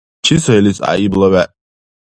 Чи сая илис гӀяйибла вегӀ?